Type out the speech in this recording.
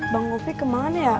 bang gopi kemana ya